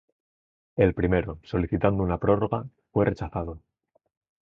El primero, solicitando una prórroga, fue rechazado.